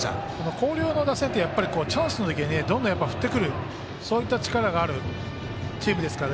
広陵の打線ってやっぱりチャンスの時にどんどん振ってくる力があるチームですから